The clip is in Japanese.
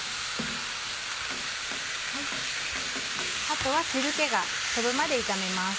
あとは汁気が飛ぶまで炒めます。